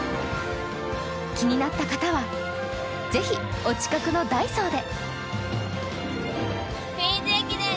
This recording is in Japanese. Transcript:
気になった方は、是非お近くのダイソーで。